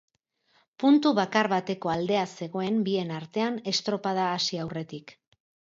Puntu bakar bateko aldea zegoen bien artean estropada hasi aurretik.